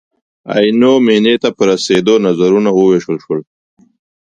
عینو مېنې ته په رسېدلو نظرونه ووېشل شول.